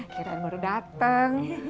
kira kira baru dateng